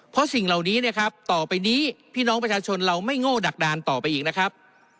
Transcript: เพราะสิ่งเหล่านี้เนี่ยครับต่อไปนี้พี่น้องประชาชนเราไม่โง่ดักดานต่อไปอีกนะครับ